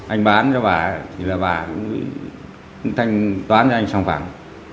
anh bán cho bà thì bà cũng thanh toán cho anh xong phẳng